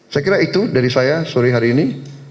saya kira itu dari saya sore hari ini